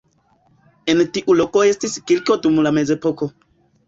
En tiu loko estis kirko dum la mezepoko.